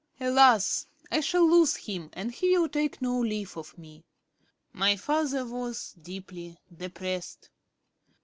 Alas! I shall lose him, and he will take no leave of me. My father was deeply depressed.